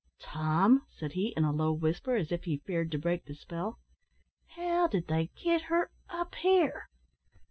"Tom," said he, in a low whisper, as if he feared to break the spell, "how did they get her up here!"